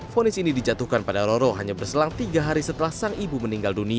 fonis ini dijatuhkan pada roro hanya berselang tiga hari setelah sang ibu meninggal dunia